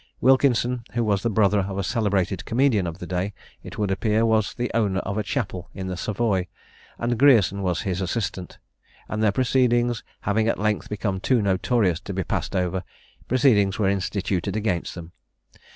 Wilkinson, who was the brother of a celebrated comedian of the day, it would appear, was the owner of a chapel in the Savoy, and Grierson was his assistant; and their proceedings having at length become too notorious to be passed over, proceedings were instituted against them.